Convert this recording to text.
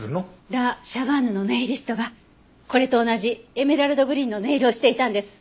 ラ・シャヴァンヌのネイリストがこれと同じエメラルドグリーンのネイルをしていたんです。